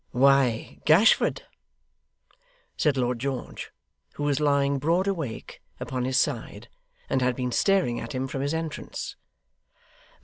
'Why, Gashford?' said Lord George, who was lying broad awake, upon his side, and had been staring at him from his entrance.